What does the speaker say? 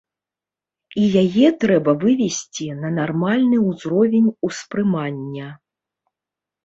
І яе трэба вывесці на нармальны ўзровень успрымання.